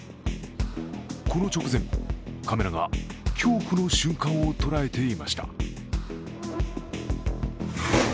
この直前、カメラが恐怖の瞬間を捉えていました。